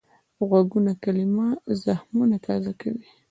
غږونه کله زخمونه تازه کوي